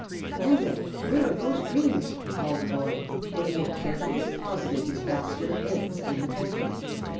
"Now, then, where are those greens?" called the boy, when he had carefully deposited his basket of eggs in the pantry.